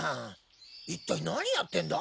一体何やってんだ？